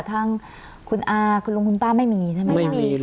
ทางคุณอาคุณลุงคุณป้าไม่มีใช่ไหม